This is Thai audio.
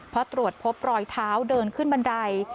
เพราะตรวจพบรอยเท้าเดินขึ้นบันได